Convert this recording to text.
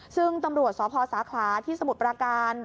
ซึ่งตำรวจสพสาขลาที่สมุทรปราการ